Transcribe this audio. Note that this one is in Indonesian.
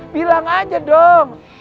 bilang aja dong